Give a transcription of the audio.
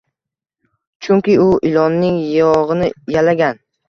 Chunki u ilonning yog`ini yalagan